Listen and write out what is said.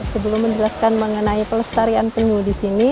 sebelum menjelaskan mengenai pelestarian penyu disini